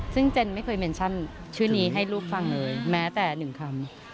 ซึ่งเจนไม่เคยเมนชั่นชื่อนี้ให้ลูกฟังเลยแม้แต่หนึ่งคำ